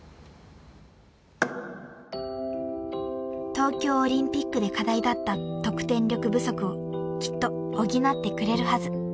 ［東京オリンピックで課題だった得点力不足をきっと補ってくれるはず］